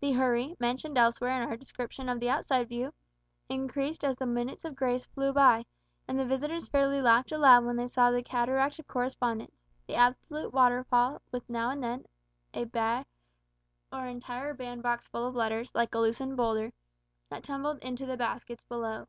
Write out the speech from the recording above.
The hurry, mentioned elsewhere in our description of the outside view, increased as the minutes of grace flew by, and the visitors fairly laughed aloud when they saw the cataract of correspondence the absolute waterfall, with, now and then, a bag or an entire bandboxful of letters, like a loosened boulder that tumbled into the baskets below.